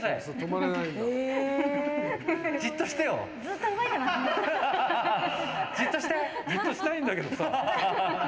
じっとしたいんだけどさ。